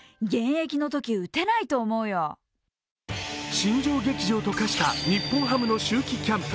新庄劇場と化した日本ハムの秋季キャンプ。